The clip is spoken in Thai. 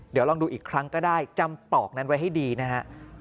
เดี๋ยวลองดูอีกครั้งก็ได้จำปลอกนั้นไว้ให้ดีนะฮะ